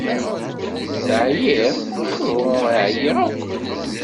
Teɛyiḍ? Uhu, ur ɛyiɣ akk.